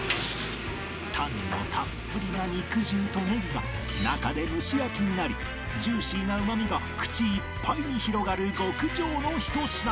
タンのたっぷりな肉汁とネギが中で蒸し焼きになりジューシーなうまみが口いっぱいに広がる極上のひと品